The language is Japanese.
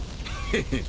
えっ！？